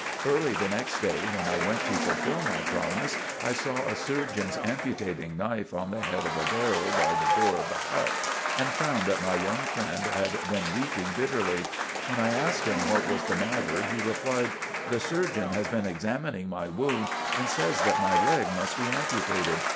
Early the next day when I went to fulfill my promise, I saw a surgeon's amputating knife on the head of a barrel by the door of the hut, and found that my young friend had been weeping bitterly. When I asked him what was the matter, he replied: "The surgeon has been examining my wound and says that my leg must be amputated.